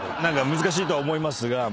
難しいとは思いますが例えば。